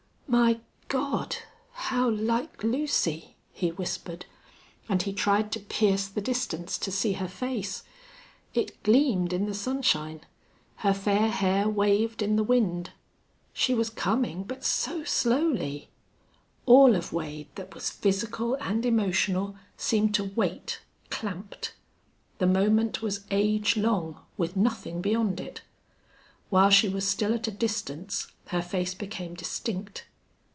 "My God! how like Lucy!" he whispered, and he tried to pierce the distance to see her face. It gleamed in the sunshine. Her fair hair waved in the wind. She was coming, but so slowly! All of Wade that was physical and emotional seemed to wait clamped. The moment was age long, with nothing beyond it. While she was still at a distance her face became distinct.